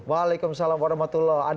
waalaikumsalam warahmatullahi wabarakatuh